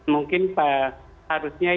mungkin pak harusnya